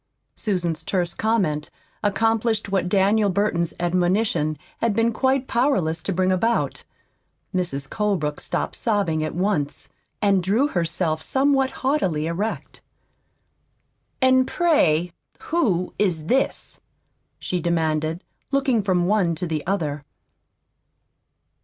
Susan's terse comment accomplished what Daniel Burton's admonition had been quite powerless to bring about. Mrs. Colebrook stopped sobbing at once, and drew herself somewhat haughtily erect. "And, pray, who is this?" she demanded, looking from one to the other.